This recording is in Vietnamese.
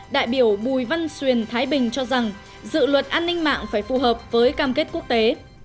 đại biểu bùi văn xuền thái bình cho rằng dự luật an ninh mạng phải phù hợp với cam kết quốc tế